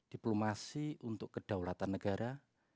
diplomasi untuk kedaulatan negara